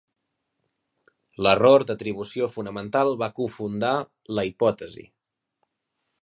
L'error d'atribució fonamental va cofundar la hipòtesi.